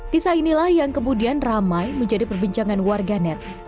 kisah inilah yang kemudian ramai menjadi perbincangan warganet